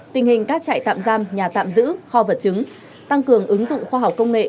tình hình các trại tạm giam nhà tạm giữ kho vật chứng tăng cường ứng dụng khoa học công nghệ